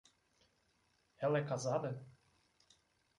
Ela é casada?